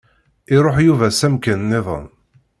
Iruḥ Yuba s amkan-nniḍen.